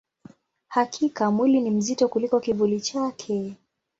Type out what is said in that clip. Hakika, mwili ni mzito kuliko kivuli chake.